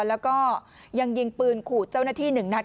แล้วก็ยังยิงปืนขู่เจ้าหน้าที่หนึ่งนัด